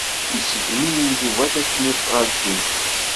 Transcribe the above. Iṣeggem-iyi Yuba tasnasɣalt-inu.